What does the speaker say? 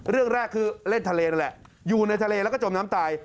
เรื่องแรกคือเล่นทะเลนั่นแหละอยู่ในทะเลแล้วก็จมน้ำตาย